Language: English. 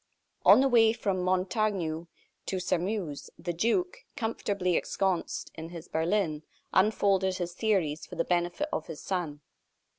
On the way from Montaignac to Sairmeuse, the duke, comfortably ensconced in his berlin, unfolded his theories for the benefit of his son.